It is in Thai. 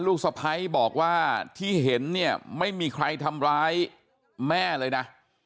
สะพ้ายบอกว่าที่เห็นเนี่ยไม่มีใครทำร้ายแม่เลยนะ